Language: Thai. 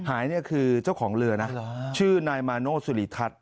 หายเนี่ยคือเจ้าของเรือนะชื่อนายมาโน่สุริทัศน์